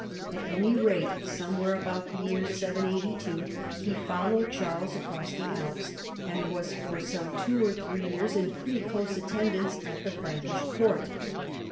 At any rate, somewhere about the year 782 he followed Charles across the Alps, and was for some two or three years in pretty close attendance at the Frankish court.